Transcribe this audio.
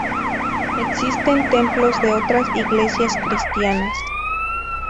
Existen templos de otras iglesias cristianas.